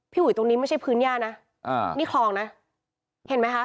อุ๋ยตรงนี้ไม่ใช่พื้นย่านะอ่านี่คลองนะเห็นไหมคะ